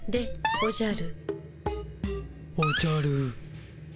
おじゃる。